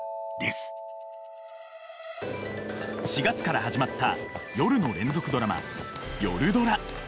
４月から始まった夜の連続ドラマ「夜ドラ」。